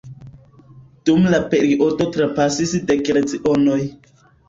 Dum la periodo trapasis dek lecionoj.